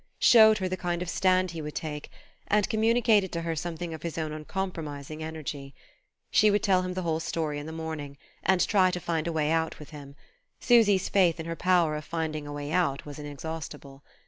showed her the kind of stand he would take, and communicated to her something of his own uncompromising energy. She would tell him the whole story in the morning, and try to find a way out with him: Susy's faith in her power of finding a way out was inexhaustible.